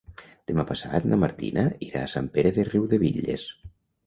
Demà passat na Martina irà a Sant Pere de Riudebitlles.